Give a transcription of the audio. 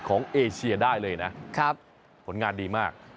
เอเชียได้เลยนะผลงานดีมาก